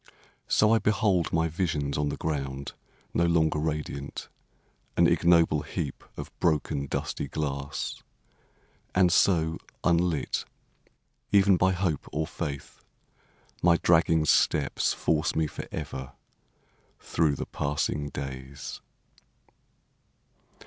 So I behold my visions on the ground No longer radiant, an ignoble heap Of broken, dusty glass. And so, unlit, Even by hope or faith, my dragging steps Force me forever through the passing days.